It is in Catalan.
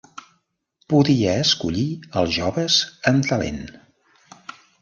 Podia escollir els joves amb talent.